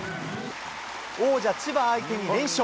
王者、千葉相手に連勝。